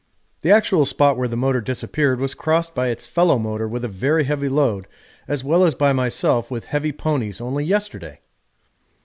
The actual spot where the motor disappeared was crossed by its fellow motor with a very heavy load as well as by myself with heavy ponies only yesterday.